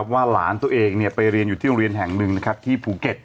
ว่าหลานตัวเองไปเรียนอยู่ที่โรงเรียนแห่งหนึ่งที่ภูเก็ต